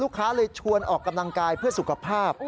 ค้าเลยชวนออกกำลังกายเพื่อสุขภาพ